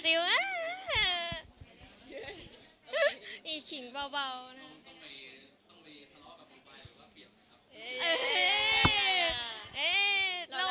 อีขิงเบานะ